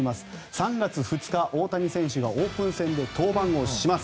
３月２日、大谷選手がオープン戦で登板をします。